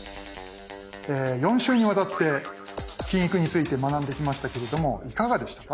４週にわたって「金育」について学んできましたけれどもいかがでしたか？